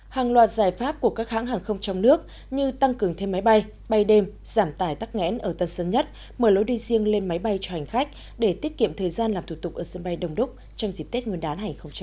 hàng loạt giải pháp của các hãng hàng không trong nước như tăng cường thêm máy bay bay đêm giảm tải tắc nghẽn ở tân sơn nhất mở lối đi riêng lên máy bay cho hành khách để tiết kiệm thời gian làm thủ tục ở sân bay đông đúc trong dịp tết nguyên đán hai nghìn hai mươi